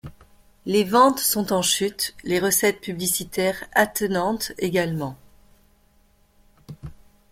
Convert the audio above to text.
Les ventes sont en chute, les recettes publicitaire attenantes également.